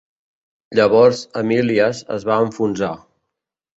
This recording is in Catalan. Llavors Amilias es va enfonsar.